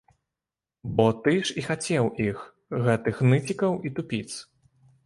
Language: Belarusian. Бо ты ж і хацеў іх, гэтых ныцікаў і тупіц.